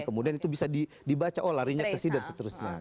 kemudian itu bisa dibaca oh larinya kesih dan seterusnya